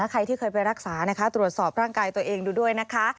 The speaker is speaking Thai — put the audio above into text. ใครที่เคยไปรักษานะคะตรวจสอบร่างกายตัวเองดูด้วยนะคะ